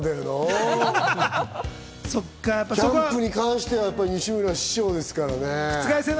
キャンプに関しては西村は師匠ですからね。